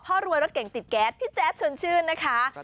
รวยรถเก่งติดแก๊สพี่แจ๊ดชวนชื่นนะคะ